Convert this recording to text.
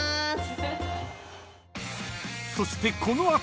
［そしてこの後］